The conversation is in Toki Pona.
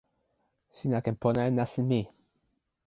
sina ken pona e nasin mi.